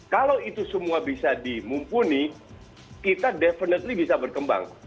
kalau itu semua bisa dimumpuni kita definitely bisa berkembang